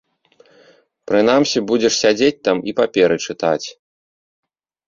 Прынамсі, будзеш сядзець там і паперы чытаць.